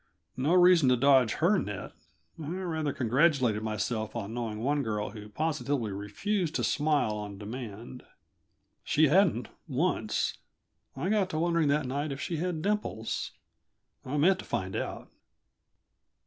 No reason to dodge her net. I rather congratulated myself on knowing one girl who positively refused to smile on demand. She hadn't, once. I got to wondering, that night, if she had dimples. I meant to find out.